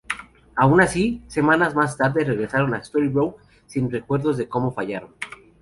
Aun así, semanas más tarde, regresan a Storybrooke sin recuerdos de cómo fallaron.